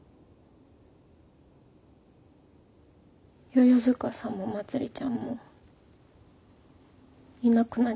世々塚さんもまつりちゃんもいなくなっちゃった。